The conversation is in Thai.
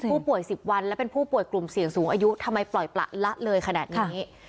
ผู้ป่วย๑๐วันและเป็นผู้ป่วยกลุ่มเสี่ยงสูงอายุทำไมปล่อยประละเลยขนาดนี้